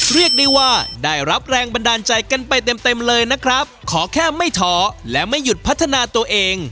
เรียกได้ว่าได้รับแรงบันดาลใจกันไปเต็มเต็มเลยนะครับขอแค่ไม่ท้อและไม่หยุดพัฒนาตัวเอง